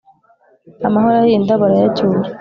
amahoro ahinda barayacyura